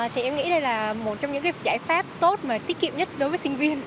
thì em nghĩ đây là một trong những giải pháp tốt mà tiết kiệm nhất đối với sinh viên